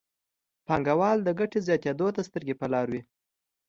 پانګوال د ګټې زیاتېدو ته سترګې په لاره وي.